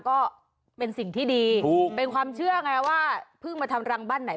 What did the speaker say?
ก็เป็นสิ่งที่ดีถูกเป็นความเชื่อไงว่าเพิ่งมาทำรังบ้านไหน